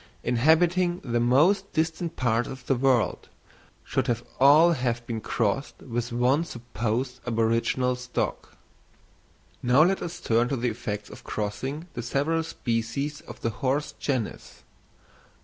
inhabiting the most distant parts of the world, should have all have been crossed with one supposed aboriginal stock. Now let us turn to the effects of crossing the several species of the horse genus.